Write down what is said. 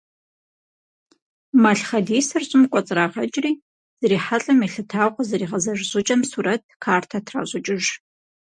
Малъхъэдисыр щӀым кӀуэцӀрагъэкӀри, зрихьэлӀэм елъытауэ къызэригъэзэж щӀыкӀэм сурэт, картэ тращӀыкӀыж.